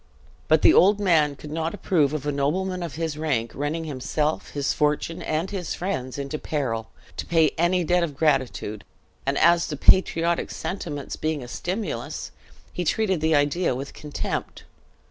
But the old man could not approve of a nobleman of his rank running himself, his fortune, and his friends into peril, to pay any debt of gratitude; and, as to patriotic sentiments being a stimulus, he treated the idea with contempt.